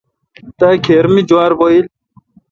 تا کھیر می جوار بھویل۔